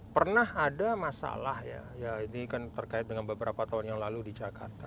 pernah ada masalah ya ini kan terkait dengan beberapa tahun yang lalu di jakarta